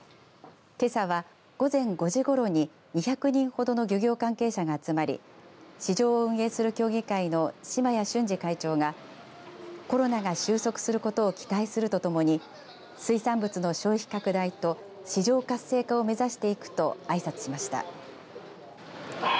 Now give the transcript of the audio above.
けさは午前５時ごろに２００人ほどの漁業関係者が集まり市場を運営する協議会の嶋矢俊次会長がコロナが終息することを期待するとともに水産物の消費拡大と市場活性化を目指していくとあいさつしました。